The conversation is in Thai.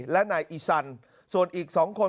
และนายอีซันส่วนอีก๒คน